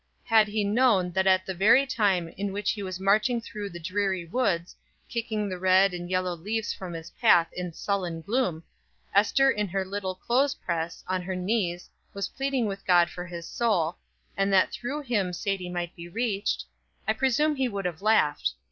Had he known that at the very time in which he was marching through the dreary woods, kicking the red and yellow leaves from his path in sullen gloom, Ester in her little clothes press, on her knees, was pleading with God for his soul, and that through him Sadie might be reached, I presume he would have laughed.